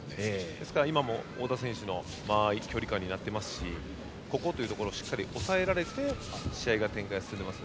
ですから、太田選手の間合い距離感になっていますしここというところをしっかり押さえられて試合の展開が進んでいます。